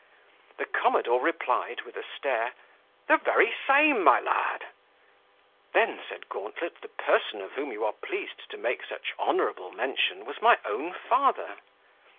The commodore replied, with a stare, "The very same, my lad." "Then," said Gauntlet, "the person of whom you are pleased to make such honourable mention was my own father."